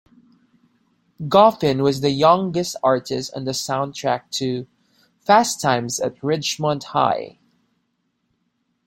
Goffin was the youngest artist on the soundtrack to "Fast Times at Ridgemont High".